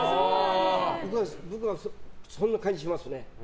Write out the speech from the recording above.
僕はそんな感じがしますね。